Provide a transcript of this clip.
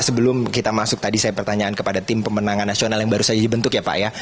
sebelum kita masuk tadi saya pertanyaan kepada tim pemenangan nasional yang baru saja dibentuk ya pak ya